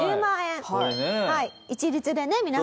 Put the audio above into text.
一律でね皆さんに。